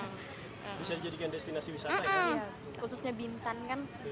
khususnya bintan kan